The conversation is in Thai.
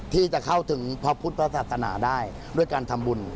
ที่จะเข้าถึงพระพุทธศาสนาได้ด้วยการทำบุญ